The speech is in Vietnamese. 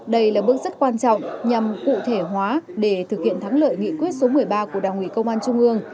đây là bước rất quan trọng nhằm cụ thể hóa để thực hiện thắng lợi nghị quyết số một mươi ba của đảng ủy công an trung ương